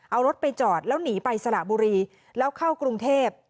เอารถไปจอดแล้วหนีไปสระบุรีแล้วเข้ากรุงเทพ